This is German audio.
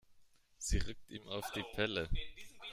Sie rückt ihm auf die Pelle.